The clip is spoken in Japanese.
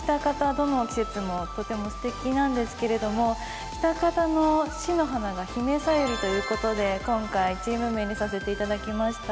どの季節もとてもすてきなんですけれども喜多方の市の花がひめさゆりということで今回チーム名にさせていただきました。